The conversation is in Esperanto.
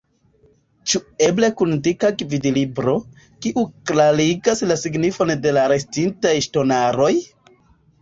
Ĉu eble kun dika gvidlibro, kiu klarigas la signifon de la restintaj ŝtonaroj?